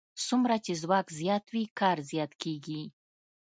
څومره چې ځواک زیات وي کار زیات کېږي.